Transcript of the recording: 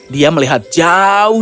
dia melihat jauh